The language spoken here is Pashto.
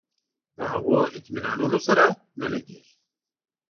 د هغو اطمینانونو سره نه لګېږي.